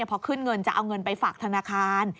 พอขึ้นเงินจะเอาเงินไปฝากธนาคาร